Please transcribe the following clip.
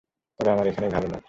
তবে আমার এখানেই ভালো লাগে।